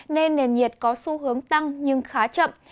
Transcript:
nên nền nhiệt có xu hướng tăng nhưng khá chậm